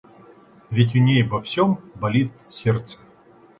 Ведь у ней обо всем болит сердце.